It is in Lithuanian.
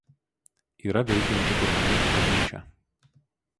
Yra veikianti Kurmaičių koplyčia.